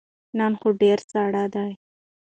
نن خو ډیر ساړه دی